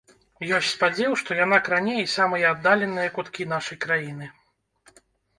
Ёсць спадзеў, што яна кране і самыя аддаленыя куткі нашай краіны.